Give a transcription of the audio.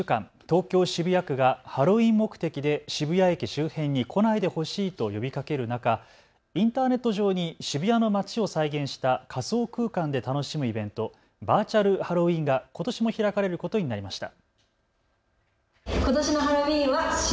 東京渋谷区がハロウィーン目的で渋谷駅周辺に来ないでほしいと呼びかける中、インターネット上に渋谷の街を再現した仮想空間で楽しむイベント、バーチャルハロウィーンがことしも開かれることになりました。